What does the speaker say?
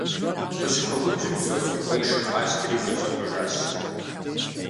Къыщыхуэгубжьым, Сосрыкъуэ и шыр къащтэри зэщӏэкӏуэжащ.